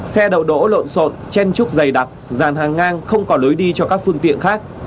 xe đậu đỗ lộn xộn chen trúc dày đặc dàn hàng ngang không có lối đi cho các phương tiện khác